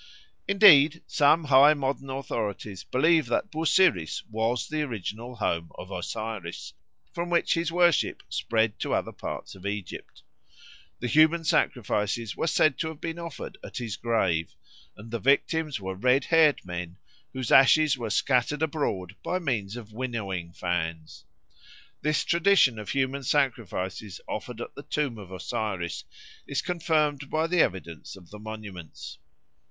Indeed some high modern authorities believe that Busiris was the original home of Osiris, from which his worship spread to other parts of Egypt. The human sacrifice were said to have been offered at his grave, and the victims were red haired men, whose ashes were scattered abroad by means of winnowing fans. This tradition of human sacrifices offered at the tomb of Osiris is confirmed by the evidence of the monuments.